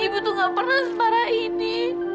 ibu tuh gak pernah setara ini